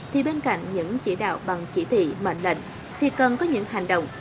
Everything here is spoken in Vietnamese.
thì bên cạnh những chỉ đạo bằng chỉ thị mệnh lệnh thì cần có những hành động